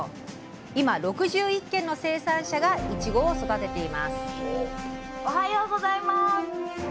今６１軒の生産者がいちごを育てていますおはようございます。